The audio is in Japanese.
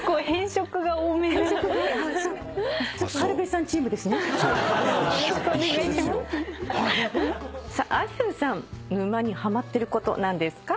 さあａｄｉｅｕさん沼にハマってること何ですか？